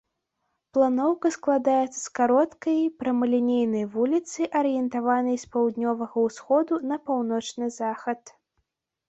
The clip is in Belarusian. Планоўка складаецца з кароткай прамалінейнай вуліцы, арыентаванай з паўднёвага ўсходу на паўночны захад.